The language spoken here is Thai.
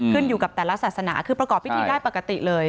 ขึ้นอยู่กับแต่ละศาสนาคือประกอบพิธีได้ปกติเลย